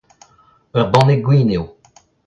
Ur banne gwin eo.